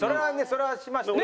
それはしました。